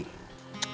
pertani dan peternak